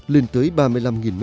lên tới ba mươi năm m hai